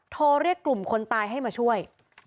โทรเรียกกลุ่มคนตายให้มาช่วย